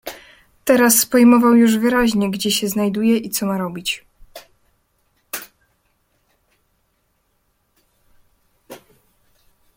"Teraz pojmował już wyraźnie, gdzie się znajduje i co ma robić."